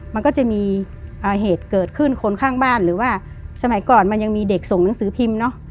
มันก็จะมีเหตุเกิดขึ้นคนข้างบ้านหรือว่าสมัยก่อนมันยังมีเด็กส่งหนังสือพิมพ์เนอะ